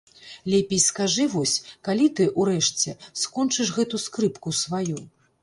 Лепей скажы вось, калі ты, урэшце, скончыш гэту скрыпку сваю?